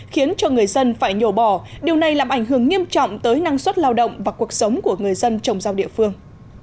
khiến cho người dân phải nhổ bỏ điều này làm ảnh hưởng nghiêm trọng tới năng suất lao động và cuộc sống của người dân trồng rau địa phương